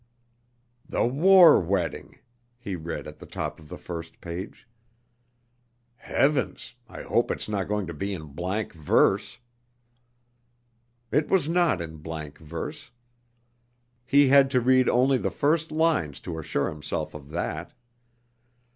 "'The War Wedding,'" he read at the top of the first page. "Heavens, I hope it's not going to be in blank verse!" It was not in blank verse. He had to read only the first lines to assure himself of that.